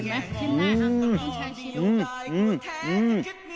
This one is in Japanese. うん！